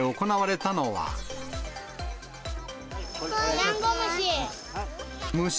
ダンゴムシ。